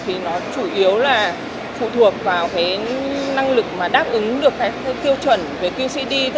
thì nó chủ yếu là phụ thuộc vào cái năng lực mà đáp ứng được cái tiêu chuẩn về qcd